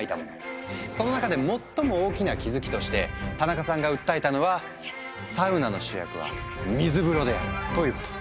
その中で最も大きな気付きとしてタナカさんが訴えたのは「サウナの主役は水風呂である」ということ。